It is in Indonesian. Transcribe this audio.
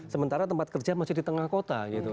sementara tempat kerja masih di tengah kota gitu